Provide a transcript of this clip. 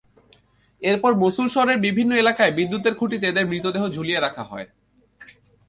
এরপর মসুল শহরের বিভিন্ন এলাকায় বিদ্যুতের খুঁটিতে এঁদের মৃতদেহ ঝুলিয়ে রাখা হয়।